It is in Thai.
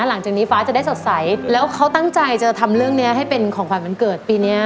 หลังจากนี้ฟ้าจะได้สดใสแล้วเขาตั้งใจจะทำเรื่องนี้ให้เป็นของขวัญวันเกิดปีนี้